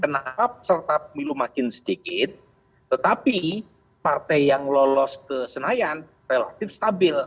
kenapa peserta pemilu makin sedikit tetapi partai yang lolos ke senayan relatif stabil